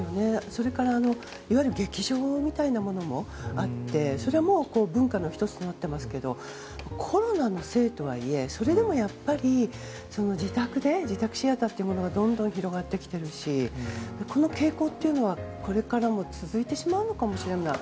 それから、いわゆる劇場みたいなものもあってそれも文化の１つとなっていますがコロナのせいとはいえそれでもやっぱり自宅シアターというものがどんどん広がってきているしこの傾向というのはこれからも続いてしまうのかもしれないなと。